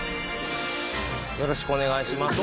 よろしくお願いします。